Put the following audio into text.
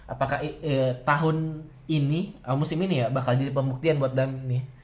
apakah tahun ini musim ini ya bakal jadi pembuktian buat dam nih